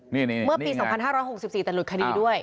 เมื่อปี๒๕๖๔แต่หลุดคดีด้วย